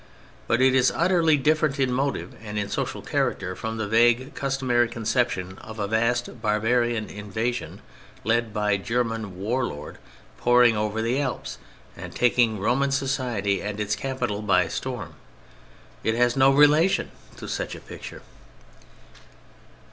But it is utterly different in motive and in social character from the vague customary conception of a vast barbarian "invasion," led by a German "war lord" pouring over the Alps and taking Roman society and its capital by storm. It has no relation to such a picture.